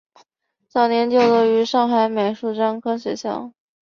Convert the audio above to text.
早年就读于于上海美术专科学校。